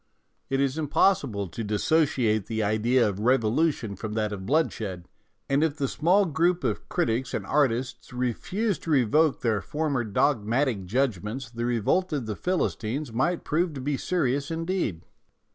It is impossible to dissociate the idea of revolution from that of bloodshed, and if the small group of critics and artists refused to revoke their former dogmatic judgments the revolt of the Philistines might prove to be serious indeed.